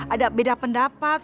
ada beda pendapat